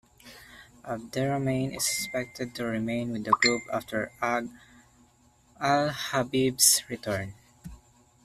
Abderrahmane is expected to remain with the group after Ag Alhabib's return.